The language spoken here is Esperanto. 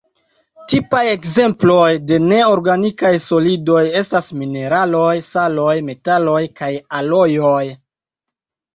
Tipaj ekzemploj de neorganikaj solidoj estas mineraloj, saloj, metaloj kaj alojoj.